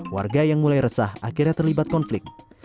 warga yang mulai resah akhirnya terlibat konflik